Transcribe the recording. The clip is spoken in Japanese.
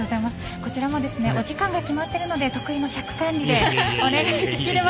そちらもお時間が決まっているので得意の尺管理でお願いできれば。